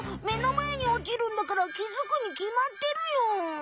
目の前に落ちるんだからきづくにきまってるよ。